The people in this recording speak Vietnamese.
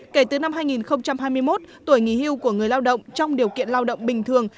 kể từ năm hai nghìn hai mươi một tuổi nghỉ hưu của người lao động trong điều kiện lao động bình thường